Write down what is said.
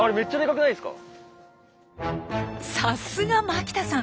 さすが牧田さん。